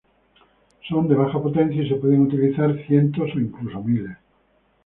Son de baja potencia y se pueden utilizar cientos o incluso miles.